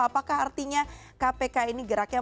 apakah artinya kpk ini geraknya makin jauh